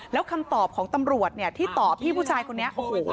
แล้วคำตอบของตำรวจเนี่ยที่ตอบพี่ผู้ชายคนนี้โอ้โห